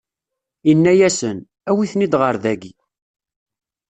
Inna-asen: Awit-ten-id ɣer dagi!